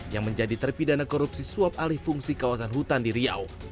yang menjadi terpidana korupsi suap alih fungsi kawasan hutan di riau